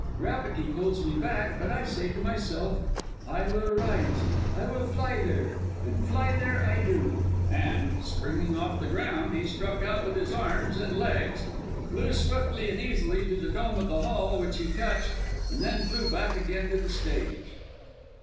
Gravity pulls me back, but I say to myself: 'I will rise I will fly there' and fly there I do!" and, springing off the ground, he struck out with his arms and legs, flew swiftly and easily to the dome of the hall, which he touched and then flew back again to the stage.